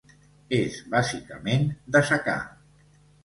És bàsicament de secà.